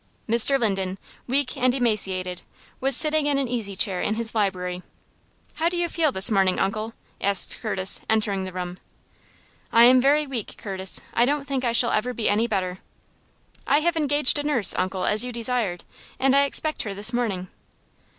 Mr. Linden, weak and emaciated, was sitting in an easy chair in his library. "How do you feel this morning, uncle?" asked Curtis, entering the room. "I am very weak, Curtis. I don't think I shall ever be any better." "I have engaged a nurse, uncle, as you desired, and I expect her this morning."